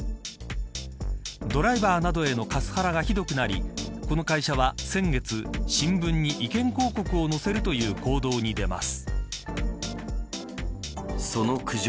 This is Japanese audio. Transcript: ドライバーなどへのカスハラがひどくなりこの会社は先月新聞に意見広告を載せるという行動に出ます。